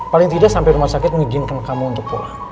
paling tidak sampai rumah sakit mengizinkan kamu untuk pulang